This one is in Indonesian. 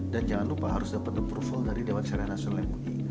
dan jangan lupa harus dapat approval dari dewan syariah nasional yang punya